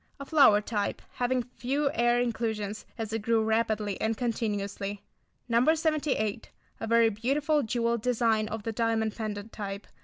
A flower type, having few air inclusions, as it grew rapidly and continuously. No. 78. A very beautiful jewelled design of the diamond pendant type.